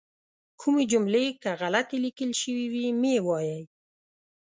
کومې جملې که غلطې لیکل شوي وي مه یې وایئ.